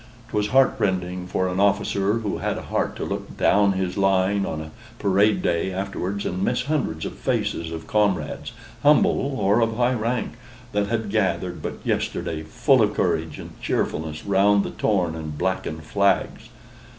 'Twas heartrending for an officer who had a heart to look down his line on a parade day afterwards, and miss hundreds of faces of comrades humble or of high rank that had gathered but yesterday full of courage and cheerfulness round the torn and blackened flags.